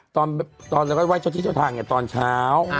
ตอนเดียวก็จะว่ายเช้าที่เช้าทางตอนเช้า